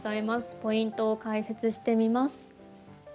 ポイントを解説してみます。